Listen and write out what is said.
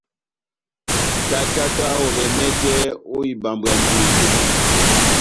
Tátáka ovɛ mɛtɛ ó ibambwa njuke.